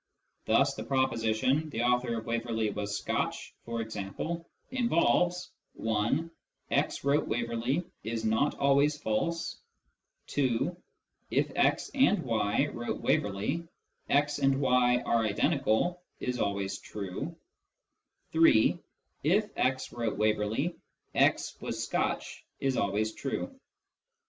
Thus the proposition "the author of Waoerley was Scotch," for example, involves : (1) " x wrote Waverley " is not always false ; (2) " if x and y wrote Waverley, x and y are identical " is always true ; (3) " if x wrote Waverley, x was Scotch " is always true.